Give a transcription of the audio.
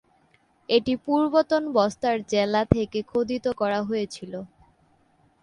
এটি পূর্বতন বস্তার জেলা থেকে খোদিত করা হয়েছিল।